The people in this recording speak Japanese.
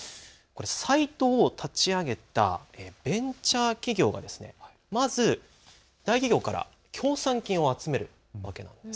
サイトを立ち上げたベンチャー企業がまず大企業から協賛金を集めるわけなんです。